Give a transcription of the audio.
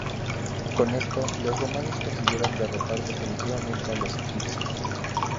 Con esto, los romanos consiguieron derrotar definitivamente a los egipcios.